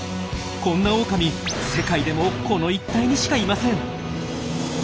こんなオオカミ世界でもこの一帯にしかいません！